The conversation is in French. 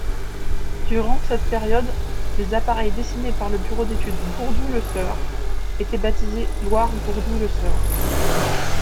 Durant cette période les appareils dessinés par le bureau d’études Gourdou-Leseurre étaient baptisés Loire-Gourdou-Leseurre.